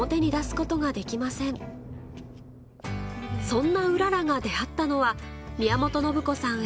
そんなうららが出会ったのは宮本信子さん